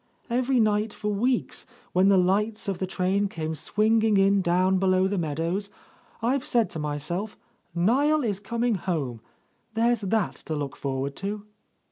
"Every night for weeks, when the lights of the train came swinging in down below the meadows, I've said to myself, 'Niel is coming home; there's that to look forward to.